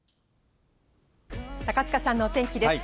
高塚さんのお天気です。